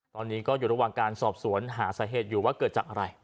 ตอนนี้ก็อยู่ระหว่างการสอบสวนหาสาเหตุอยู่ว่าเกิดจากอะไร